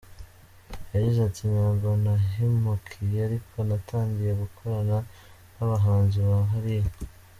Yagize ati “Ntabwo nahimukiye ariko natangiye gukorana n’abahanzi ba hariya.